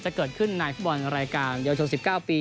จะเกิดขึ้นในฟุตบอลรายการเยาวชน๑๙ปี